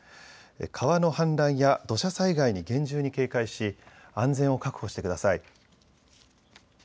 川の氾濫や土砂災害に厳重に警戒し安全を確保してください。